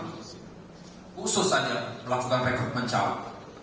khusus saja melakukan rekrutmen calon